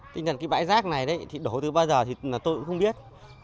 tinh thần cái bãi rác này đổ từ bao giờ thì tôi cũng không biết